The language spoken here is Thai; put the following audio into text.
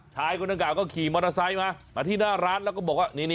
ชายคนดังกล่าก็ขี่มอเตอร์ไซค์มามาที่หน้าร้านแล้วก็บอกว่า